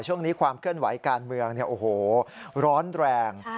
ช่วงนี้ความเคลื่อนไหวการเมืองโอ้โหร้อนแรง